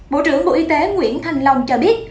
bộ trưởng bộ y tế nguyễn thanh long cho biết